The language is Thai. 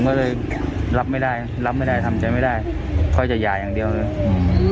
ก็เลยรับไม่ได้รับไม่ได้ทำใจไม่ได้เขาจะหย่าอย่างเดียวเลยอืม